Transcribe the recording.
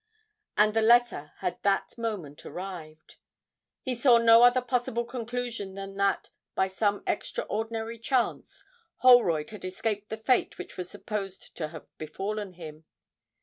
And the letter had that moment arrived. He saw no other possible conclusion than that, by some extraordinary chance, Holroyd had escaped the fate which was supposed to have befallen him.